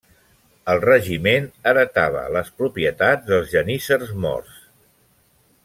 El regiment heretava les propietats dels geníssers morts.